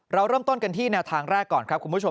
เราเริ่มต้นกันที่แนวทางแรกก่อนครับคุณผู้ชม